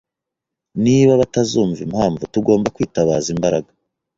Niba batazumva impamvu, tugomba kwitabaza imbaraga.